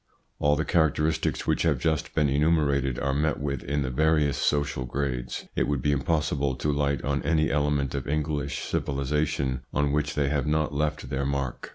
All the characteristics which have just been enu merated are met with in the various social grades ; it would be impossible to light on any element of English civilisation on which they have not left their mark.